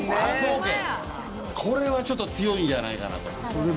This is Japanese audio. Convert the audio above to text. これはちょっと強いんじゃないかなと。